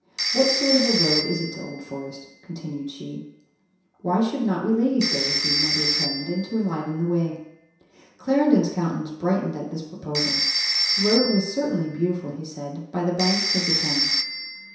What sort of a road is it to Old Forest?" continued she; "why should not we ladies go with you, my dear Clarendon, to enliven the way." Clarendon's countenance brightened at this proposal. The road was certainly beautiful, he said, by the banks of the Thames.